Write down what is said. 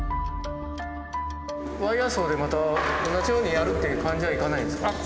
ワイヤーソーでまた同じようにやるっていう感じはいかないんですか。